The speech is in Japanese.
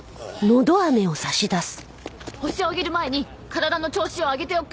ホシを挙げる前に体の調子を上げておく。